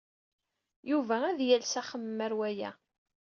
Yuba ad yales axemmem ɣer waya.